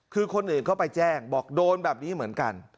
คือคนอื่นก็ไปแจ้งบอกโดนแบบนี้เหมือนกัน